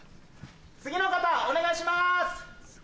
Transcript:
次の方お願いします。